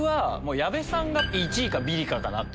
矢部さんが１位かビリかなと。